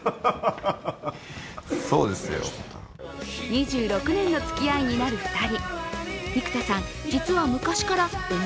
２６年のつきあいになる２人。